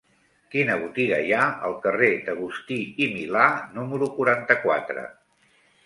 Quina botiga hi ha al carrer d'Agustí i Milà número quaranta-quatre?